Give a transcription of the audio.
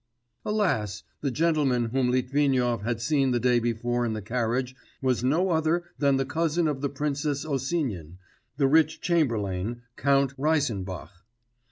Alas! the gentleman whom Litvinov had seen the day before in the carriage was no other than the cousin of the Princess Osinin, the rich chamberlain, Count Reisenbach.